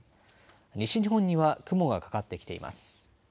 西日本には雲がかかってきています。